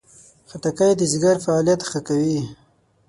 خټکی د ځیګر فعالیت ښه کوي.